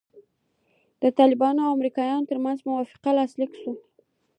د طالبانو او امریکایانو ترمنځ موافقه لاسلیک سوه.